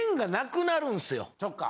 そっか。